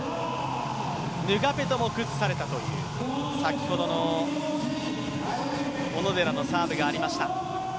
ヌガペトも崩されたという先ほどの小野寺のサーブがありました。